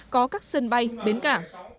có các sân bay đến cả